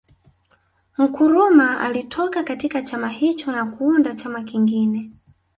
Nkrumah alitoka katika chama hicho na kuuunda chama kingine